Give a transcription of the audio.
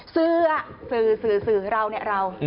เสื้อสื่อสื่อเราเนี่ยเรา